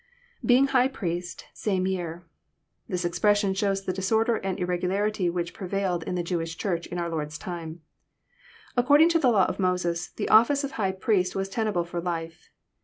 [Being „Mgh priest.. .same year.'] This expression shows the disorder and irregularity which prevailed in the Jewish Church in our Lord's time. According to the Uw of MOses, the office of high priest was tenable for life.